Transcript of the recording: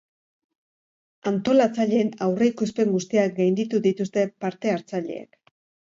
Antolatzaileen aurreikuspen guztiak gainditu dituzte parte-hartzaileek.